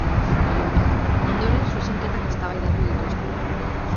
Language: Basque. Ondoren zuzenketak eztabaidatu dituzte.